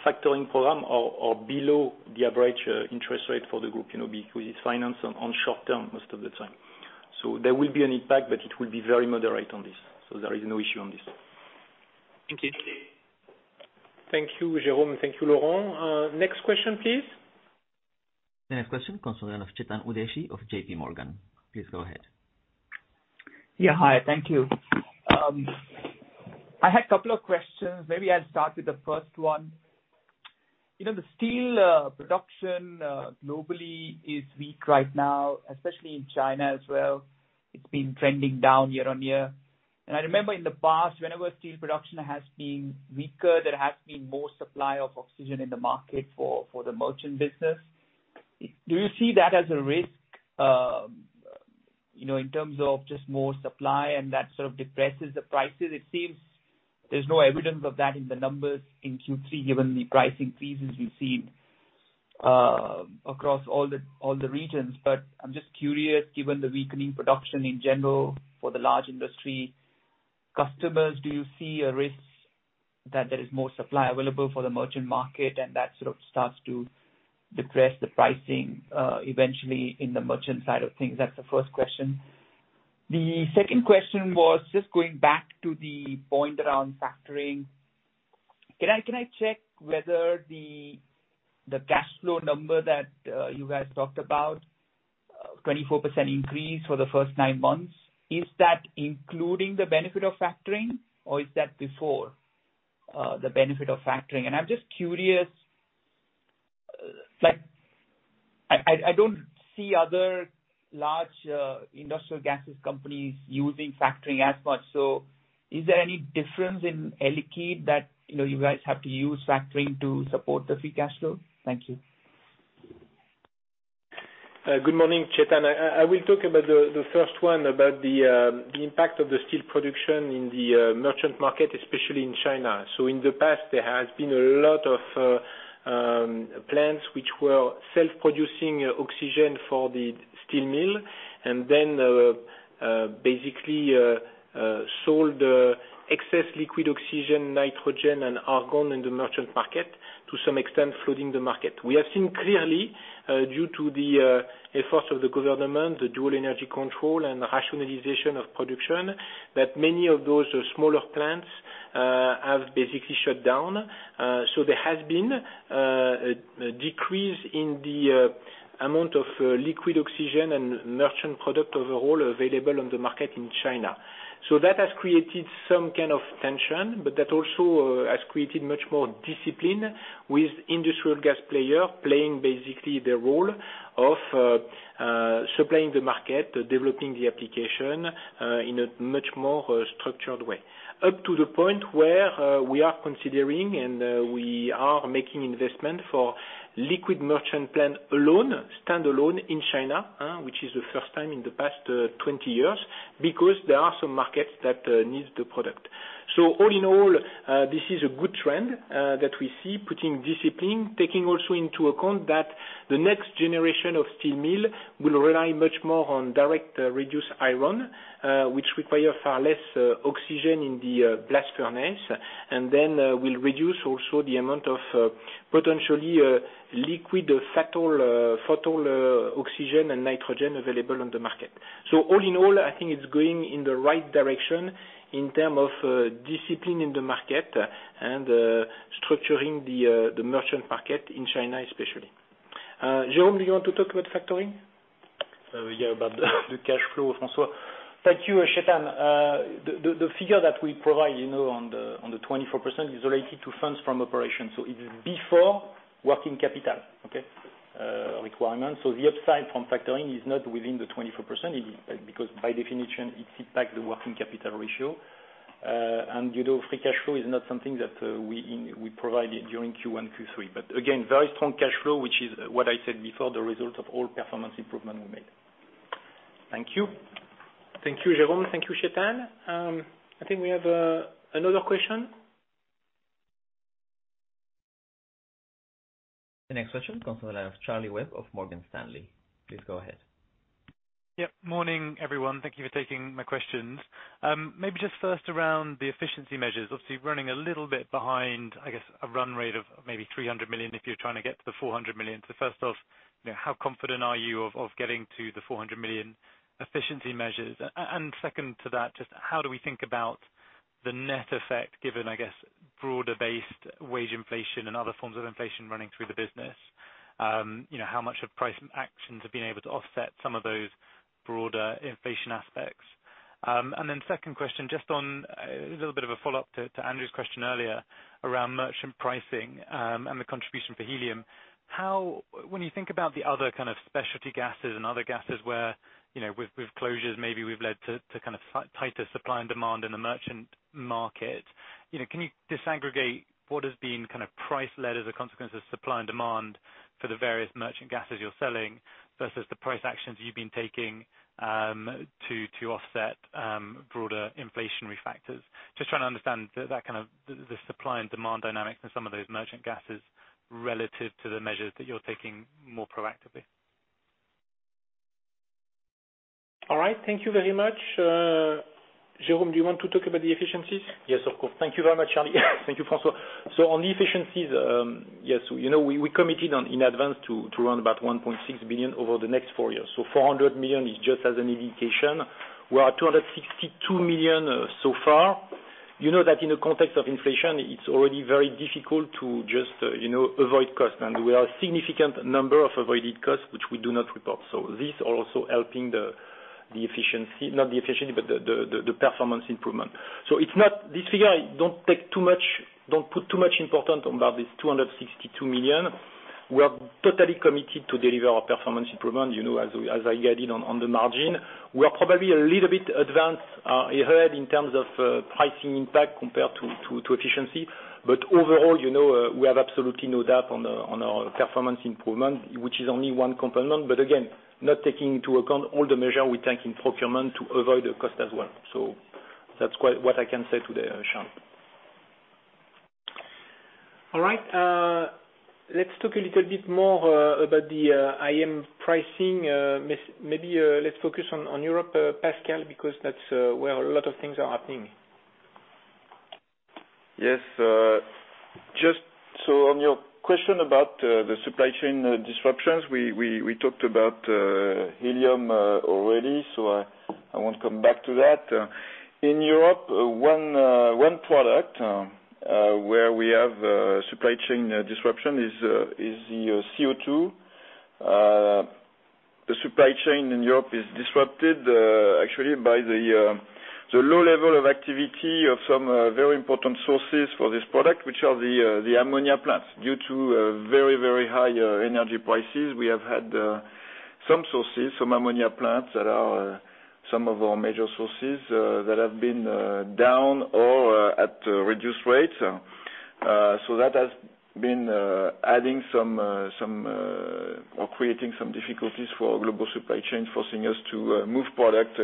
factoring program are below the average interest rate for the group, you know, because it's financed on short-term most of the time. There will be an impact, but it will be very moderate on this. There is no issue on this. Thank you. Thank you, Jérôme. Thank you, Laurent. Next question, please. Next question comes from line of Chetan Udeshi of JPMorgan. Please go ahead. Yeah. Hi, thank you. I had a couple of questions. Maybe I'll start with the first one. You know, the steel production globally is weak right now, especially in China as well. It's been trending down year-on-year. I remember in the past, whenever steel production has been weaker, there has been more supply of oxygen in the market for the merchant business. Do you see that as a risk, you know, in terms of just more supply and that sort of depresses the prices? It seems there's no evidence of that in the numbers in Q3, given the pricing increases we've seen across all the regions. I'm just curious, given the weakening production in general for the large industry customers, do you see a risk that there is more supply available for the merchant market and that sort of starts to depress the pricing eventually in the merchant side of things? That's the first question. The second question was just going back to the point around factoring. Can I check whether the cash flow number that you guys talked about, 24% increase for the first nine months, is that including the benefit of factoring or is that before the benefit of factoring? And I'm just curious, like I don't see other large industrial gases companies using factoring as much. So is there any difference in Air Liquide that you know, you guys have to use factoring to support the free cash flow? Thank you. Good morning, Chetan. I will talk about the first one about the impact of the steel production in the merchant market, especially in China. In the past, there has been a lot of plants which were self-producing oxygen for the steel mill, and then basically sold the excess liquid oxygen, nitrogen, and argon in the merchant market to some extent flooding the market. We have seen clearly due to the efforts of the government, the dual energy control and rationalization of production, that many of those smaller plants have basically shut down. There has been a decrease in the amount of liquid oxygen and merchant product overall available on the market in China. That has created some kind of tension, but that also has created much more discipline with industrial gas player playing basically the role of supplying the market, developing the application in a much more structured way. Up to the point where we are considering and we are making investment for liquid merchant plant alone, standalone in China, which is the first time in the past 20 years, because there are some markets that needs the product. All in all, this is a good trend that we see putting discipline, taking also into account that the next generation of steel mill will rely much more on direct reduced iron, which require far less oxygen in the blast furnace. Then will reduce also the amount of potentially liquid LOX and LIN available on the market. All in all, I think it's going in the right direction in terms of discipline in the market and structuring the merchant market in China, especially. Jérôme, do you want to talk about factoring? Yeah, about the cash flow, François. Thank you, Chetan. The figure that we provide, you know, on the 24% is related to funds from operations, so it is before working capital, okay, requirement. The upside from factoring is not within the 24%, it is because by definition, it impacts the working capital ratio. Free cash flow is not something that we provide during Q1, Q3. Again, very strong cash flow, which is what I said before, the result of all performance improvement we made. Thank you. Thank you, Jérôme. Thank you, Chetan. I think we have another question. The next question comes from the line of Charlie Webb of Morgan Stanley. Please go ahead. Morning, everyone. Thank you for taking my questions. Maybe just first around the efficiency measures. Obviously, running a little bit behind, I guess, a run rate of maybe 300 million, if you're trying to get to the 400 million. First off, you know, how confident are you of getting to the 400 million efficiency measures? And second to that, just how do we think about the net effect given, I guess, broader-based wage inflation and other forms of inflation running through the business? You know, how much of price actions have been able to offset some of those broader inflation aspects? And then second question, just on a little bit of a follow-up to Andrew's question earlier around merchant pricing and the contribution for helium. How... When you think about the other kind of specialty gases and other gases where, you know, with closures, maybe we've led to tighter supply and demand in the merchant market. You know, can you disaggregate what has been kind of price led as a consequence of supply and demand for the various merchant gases you're selling versus the price actions you've been taking to offset broader inflationary factors? Just trying to understand the supply and demand dynamics in some of those merchant gases relative to the measures that you're taking more proactively. All right. Thank you very much. Jérôme, do you want to talk about the efficiencies? Yes, of course. Thank you very much, Charlie. Thank you, François. On the efficiencies, yes, you know, we committed in ADVANCE to run about 1.6 billion over the next four years. Four hundred million is just as an indication. We are at 262 million so far. You know that in the context of inflation, it's already very difficult to just, you know, avoid costs. We have significant number of avoided costs, which we do not report. This also helping the efficiency, not the efficiency, but the performance improvement. It's not, this figure, don't take too much, don't put too much importance about this 262 million. We are totally committed to deliver our performance improvement, you know, as I guided on the margin. We are probably a little bit advanced ahead in terms of pricing impact compared to efficiency. Overall, you know, we have absolutely no doubt on our performance improvement, which is only one component. Again, not taking into account all the measure we take in procurement to avoid the cost as well. That's what I can say today, Charlie. All right. Let's talk a little bit more about the IM pricing. Maybe let's focus on Europe, Pascal, because that's where a lot of things are happening. Yes. Just on your question about the supply chain disruptions, we talked about helium already, so I won't come back to that. In Europe, one product where we have a supply chain disruption is theCO₂. The supply chain in Europe is disrupted actually by the low level of activity of some very important sources for this product, which are the ammonia plants. Due to very high energy prices, we have had some sources, some ammonia plants that are some of our major sources that have been down or at reduced rates. That has been adding some or creating some difficulties for global supply chain, forcing us to move product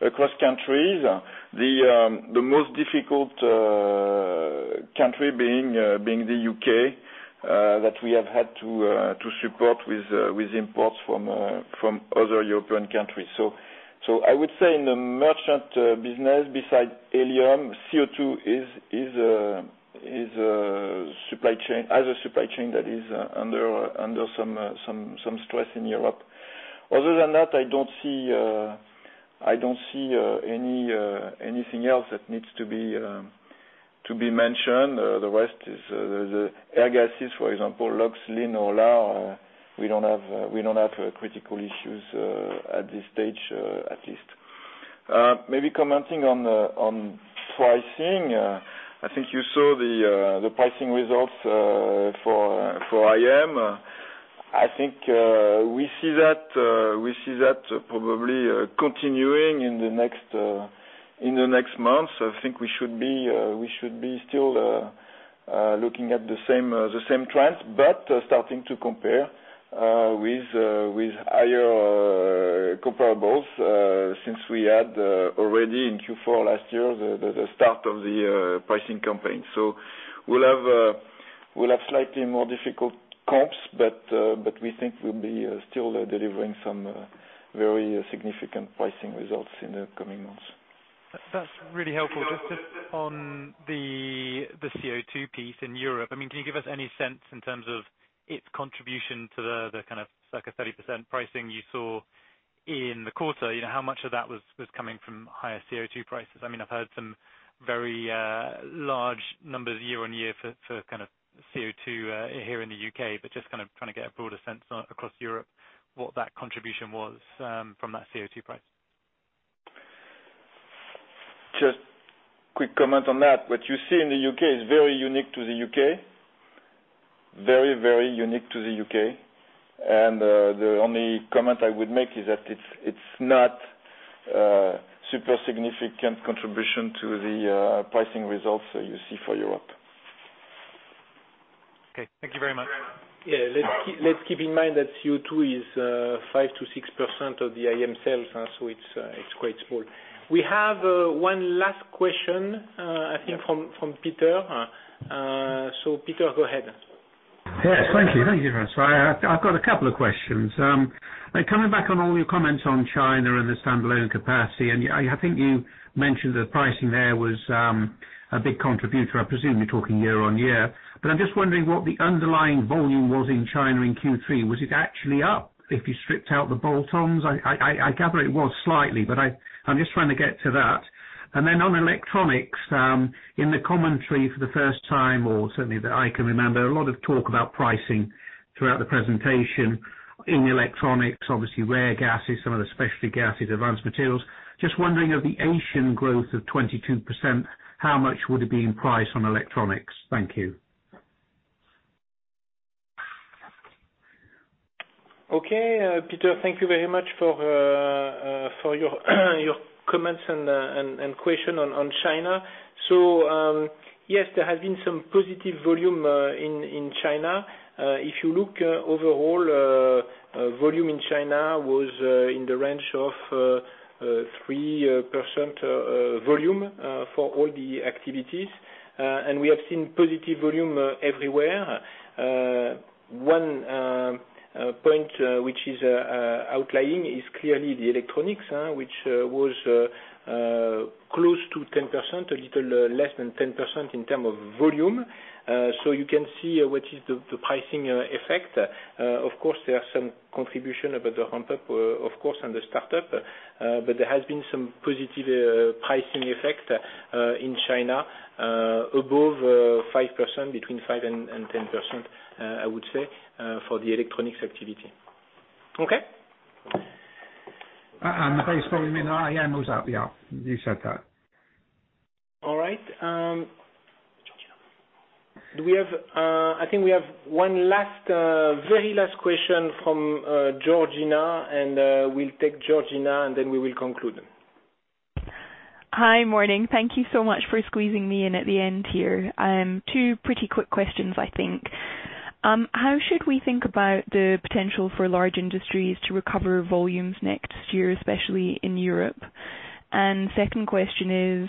across countries. The most difficult country being the U.K. that we have had to support with imports from other European countries. I would say in the merchant business, besides helium, CO₂ is supply chain, as a supply chain that is under some stress in Europe. Other than that, I don't see anything else that needs to be mentioned. The rest is the air gases, for example, LOX, LIN or LAR, we don't have critical issues at this stage, at least. Maybe commenting on pricing. I think you saw the pricing results for IM. I think we see that probably continuing in the next months. I think we should be still looking at the same trends, but starting to compare with higher comparables, since we had already in Q4 last year the start of the pricing campaign. We'll have slightly more difficult comps, but we think we'll be still delivering some very significant pricing results in the coming months. That's really helpful. On theCO₂ piece in Europe, I mean, can you give us any sense in terms of its contribution to the kind of circa 30% pricing you saw in the quarter? You know, how much of that was coming from higherCO₂ prices? I mean, I've heard some very large numbers year-on-year for kind of CO₂ here in the U.K.. Just kind of trying to get a broader sense across Europe what that contribution was from that CO₂ price. Just quick comment on that. What you see in the U.K. is very unique to the U.K.. Very unique to the U.K.. The only comment I would make is that it's not super significant contribution to the pricing results that you see for Europe. Okay. Thank you very much. Yeah. Let's keep in mind that CO₂ is 5%-6% of the IM sales, so it's quite small. We have one last question, I think from Peter. So Peter, go ahead. Yes, thank you. Thank you. I've got a couple of questions. Coming back on all your comments on China and the standalone capacity, and I think you mentioned the pricing there was a big contributor, I presume you're talking year-on-year. I'm just wondering what the underlying volume was in China in Q3. Was it actually up if you stripped out the bolt-ons? I gather it was slightly, but I'm just trying to get to that. On electronics, in the commentary for the first time, or certainly that I can remember, a lot of talk about pricing throughout the presentation in electronics, obviously rare gases, some of the specialty gases, Advanced Materials. Just wondering of the Asian growth of 22%, how much would it be in price on electronics? Thank you. Okay. Peter, thank you very much for your comments and question on China. Yes, there has been some positive volume in China. If you look overall, volume in China was in the range of 3% volume for all the activities. We have seen positive volume everywhere. One point which is outlying is clearly the electronics, which was close to 10%, a little less than 10% in terms of volume. You can see what the pricing effect is. Of course, there are some contribution about the ramp-up, of course, and the start-up, but there has been some positive pricing effect in China above 5%, between 5% and 10%, I would say, for the electronics activity. Okay? Sorry. Yeah, it was up. Yeah, you said that. All right. I think we have one last, very last question from Georgina. We'll take Georgina, and then we will conclude. Hi. Morning. Thank you so much for squeezing me in at the end here. Two pretty quick questions, I think. How should we think about the potential for large industries to recover volumes next year, especially in Europe? Second question is,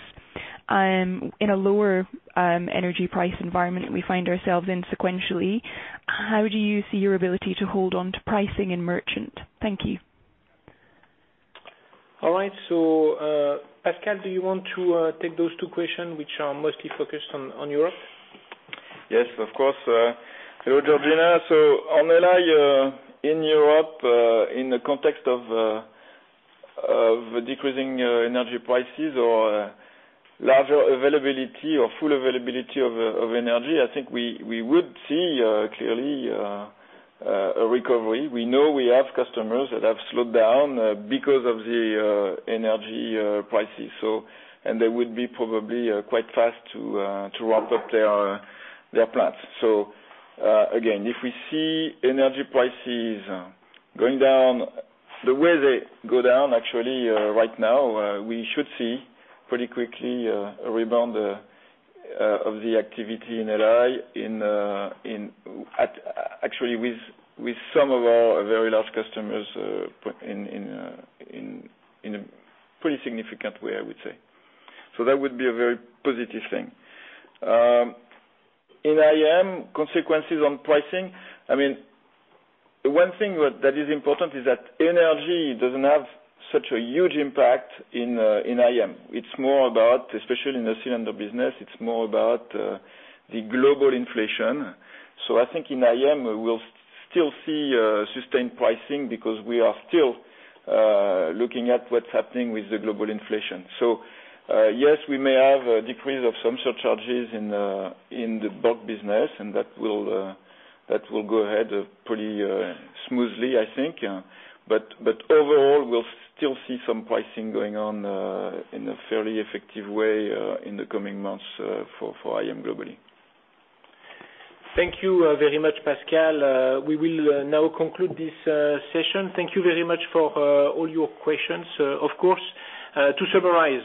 in a lower energy price environment we find ourselves in sequentially, how do you see your ability to hold on to pricing in merchant? Thank you. All right. Pascal, do you want to take those two questions which are mostly focused on Europe? Yes, of course. Hello, Georgina. On LI in Europe, in the context of decreasing energy prices or larger availability or full availability of energy, I think we would see clearly a recovery. We know we have customers that have slowed down because of the energy prices. They would be probably quite fast to ramp up their plants. Again, if we see energy prices going down the way they go down actually right now, we should see pretty quickly a rebound of the activity in LI in actually with some of our very large customers in a pretty significant way, I would say. That would be a very positive thing. In IM, consequences on pricing, I mean, one thing that is important is that energy doesn't have such a huge impact in IM. It's more about, especially in the cylinder business, the global inflation. I think in IM, we'll still see sustained pricing because we are still looking at what's happening with the global inflation. Yes, we may have a decrease of some surcharges in the bulk business, and that will go ahead pretty smoothly, I think. Overall, we'll still see some pricing going on in a fairly effective way in the coming months for IM globally. Thank you, very much, Pascal. We will now conclude this session. Thank you very much for all your questions. Of course, to summarize,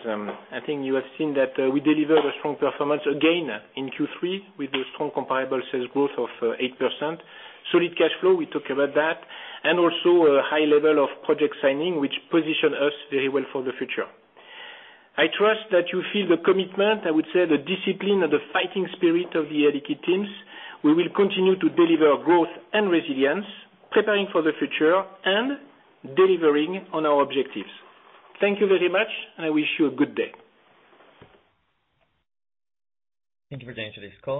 I think you have seen that, we delivered a strong performance again in Q3 with a strong comparable sales growth of 8%. Solid cash flow, we talked about that. A high level of project signing, which position us very well for the future. I trust that you feel the commitment, I would say the discipline and the fighting spirit of the Air Liquide teams. We will continue to deliver growth and resilience, preparing for the future and delivering on our objectives. Thank you very much, and I wish you a good day. Thank you for joining today's call.